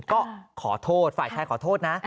ก็ขอโทษฝ่ายชายขอโทษนะ